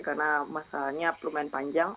karena masanya lumayan panjang